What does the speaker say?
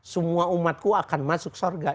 semua umatku akan masuk surga